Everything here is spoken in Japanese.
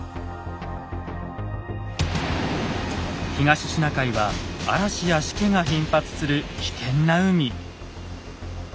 東シナ海は嵐やしけが頻発する危険な海。